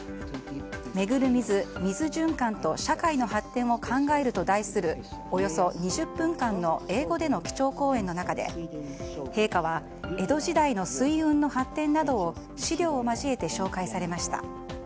「巡る水‐水循環と社会の発展を考える‐」と題するおよそ２０分間の英語での基調講演の中で陛下は江戸時代の水運の発展などを資料を交えて紹介されました。